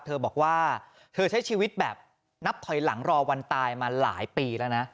เธอบอกว่าเธอใช้ชีวิตแบบนับถอยหลังรอวันตายมาหลายปีแล้วนะ